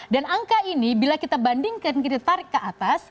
dan angka ini bila kita bandingkan kita tarik ke atas